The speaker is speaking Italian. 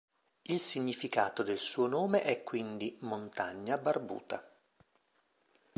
Il significato del suo nome è quindi “montagna barbuta”.